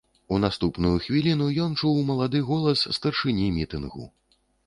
У наступную хвіліну ён чуў малады голас старшыні мітынгу.